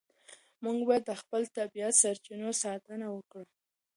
موږ باید د خپلو طبیعي سرچینو ساتنه وکړو.